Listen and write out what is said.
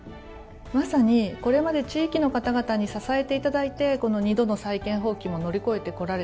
まさにこれまで地域の方々に支えていただいてこの２度の債権放棄も乗り越えてこられた。